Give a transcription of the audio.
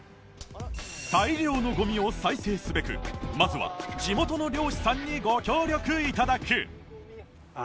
大量のゴミを再生すべくまずは地元の漁師さんにご協力頂く